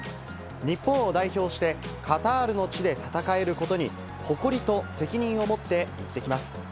日本を代表して、カタールの地で戦えることに、誇りと責任を持って行ってきます。